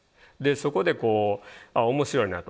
そこでこう面白いなと。